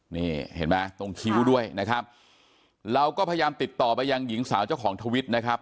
นี่เห็นไหมตรงคิ้วด้วยนะครับเราก็พยายามติดต่อไปยังหญิงสาวเจ้าของทวิตนะครับ